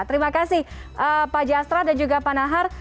terima kasih pak jasra dan juga pak nahar